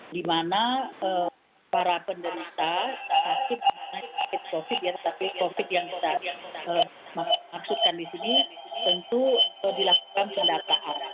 dimana para penduduk sakit rumah sakit covid sembilan belas yang kita maksudkan di sini tentu dilakukan pendataan